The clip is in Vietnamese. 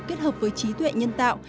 kết hợp với trí tuệ nhân tạo